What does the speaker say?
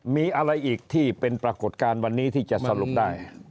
มีอะไรอีกที่เป็นปรากฏการณ์วันนี้ที่จะสรุปได้